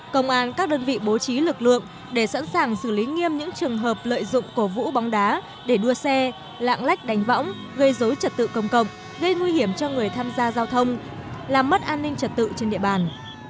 công an các đơn vị bố trí lực lượng để sẵn sàng xử lý nghiêm những trường hợp lợi dụng cổ vũ bóng đá để đua xe lạng lách đánh võng gây dối trật tự công cộng gây nguy hiểm cho người tham gia giao thông làm mất an ninh trật tự trên địa bàn